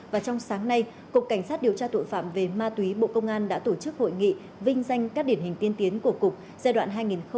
và trong sáng nay cục cảnh sát điều tra tội phạm về ma túy bộ công an đã tổ chức hội nghị vinh danh các điển hình tiên tiến của cục giai đoạn hai nghìn một mươi ba hai nghìn hai mươi